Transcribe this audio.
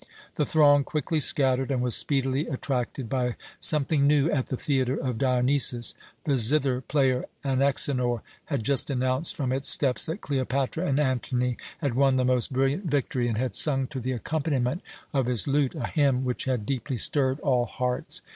The throng quickly scattered, and was speedily attracted by something new at the Theatre of Dionysus the zither player Anaxenor had just announced from its steps that Cleopatra and Antony had won the most brilliant victory, and had sung to the accompaniment of his lute a hymn which had deeply stirred all hearts.